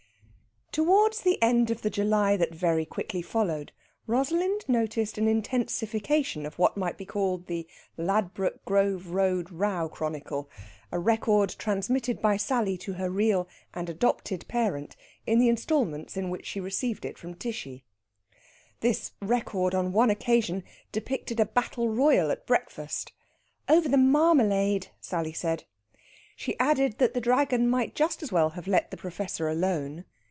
Towards the end of the July that very quickly followed Rosalind noticed an intensification of what might be called the Ladbroke Grove Road Row Chronicle a record transmitted by Sally to her real and adopted parent in the instalments in which she received it from Tishy. This record on one occasion depicted a battle royal at breakfast, "over the marmalade," Sally said. She added that the Dragon might just as well have let the Professor alone.